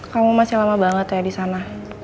kamu masih lama banget ya disana